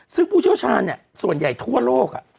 ซึ่งผู้เชี่ยวชาญส่วนใหญ่ทั่วโลก